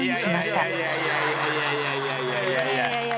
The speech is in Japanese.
いやいやいやいや。